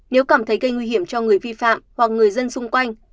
nếu cảm thấy gây nguy hiểm cho người vi phạm hoặc người dân xung quanh